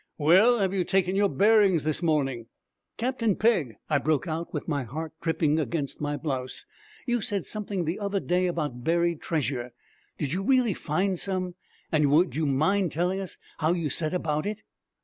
Well have you taken your bearings this morning?' 'Captain Pegg,' I broke out with my heart tripping against my blouse, 'you said something the other day about buried treasure. Did you really find some? And would you mind telling us how you set about it?'